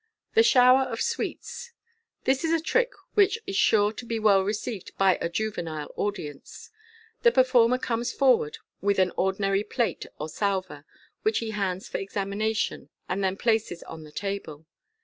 The Shower of Sweets. — This is a trick which is sure to be well received by a juvenile audience. The performer comes forward with an ordinary plate or salver, which he hands for examination, and then places on the table.